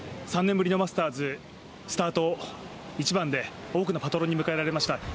３年ぶりのマスターズスタート１番で多くのパトロンに迎えられました。